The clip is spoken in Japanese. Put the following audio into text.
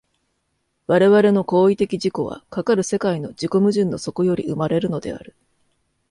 我々の行為的自己は、かかる世界の自己矛盾の底より生まれるのである。